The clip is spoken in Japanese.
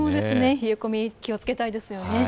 冷え込み、気をつけたいですね。